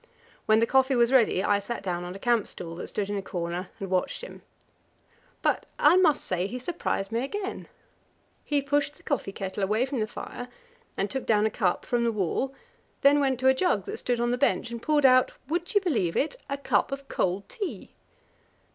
When the coffee was ready, I sat down on a camp stool that stood in a corner, and watched him. But I must say he surprised me again. He pushed the coffee kettle away from the fire and took down a cup from the wall; then went to a jug that stood on the bench and poured out would you believe it? a cup of cold tea!